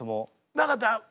なかった。